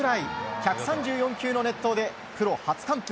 １３４球の熱投でプロ初完封。